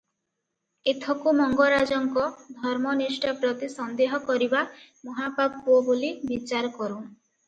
ଏଥକୁ ମଙ୍ଗରାଜଙ୍କ ଧର୍ମନିଷ୍ଠା ପ୍ରତି ସନ୍ଦେହ କରିବା ମହାପାପ ବୋଲି ବିଚାର କରୁଁ ।